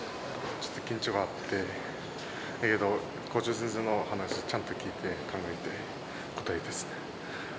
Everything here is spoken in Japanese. ちょっと緊張があって、だけど、校長先生の話、ちゃんと聞いて考えて答えたっすね。